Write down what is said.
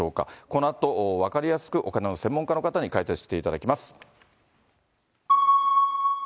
このあと分かりやすくお金の専門家の方に解説していただきます。